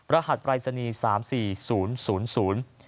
รหัสปลายศนีย์๓๔๐๐๐